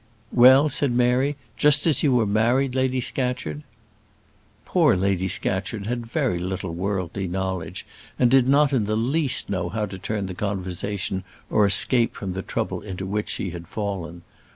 "Well," said Mary; "just as you were married, Lady Scatcherd?" Poor Lady Scatcherd had very little worldly knowledge, and did not in the least know how to turn the conversation or escape from the trouble into which she had fallen.